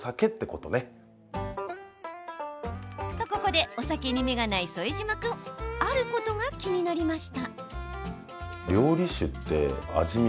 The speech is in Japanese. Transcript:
と、ここでお酒に目がない副島君あることが気になりました。